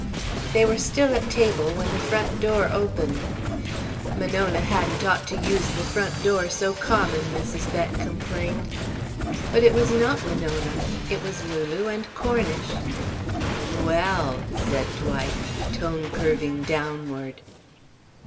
They were still at table when the front door opened. "Monona hadn't ought to use the front door so common," Mrs. Bett complained. But it was not Monona. It was Lulu and Cornish. "Well!" said Dwight, tone curving downward.